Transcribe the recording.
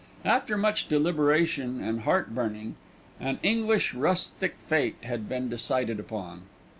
After much deliberation and heart burning, an English Rustic Fête had been decided upon.